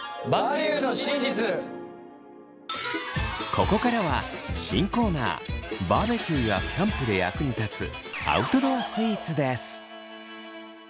ここからは新コーナーバーベキューやキャンプで役に立つアウトドアスイーツです。